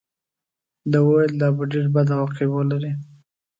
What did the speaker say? ده ویل دا به ډېر بد عواقب ولري.